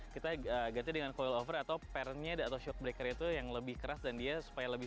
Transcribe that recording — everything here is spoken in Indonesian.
kita ganti dengan flyover atau parentnya atau shot breaker itu yang lebih keras dan dia supaya lebih